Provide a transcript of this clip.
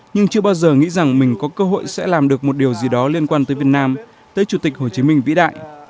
nhưng chưa bao giờ nghĩ rằng mình có cơ hội sẽ làm được một điều gì đó liên quan tới việt nam tới chủ tịch hồ chí minh vĩ đại